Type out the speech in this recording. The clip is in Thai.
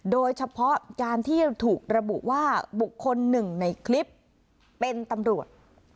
โดยเฉพาะการที่ถูกระบุว่าบุคคลหนึ่งในคลิปเป็นตำรวจ